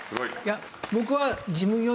いや僕は。